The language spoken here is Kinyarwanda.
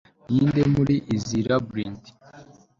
ninde muri izi labyrint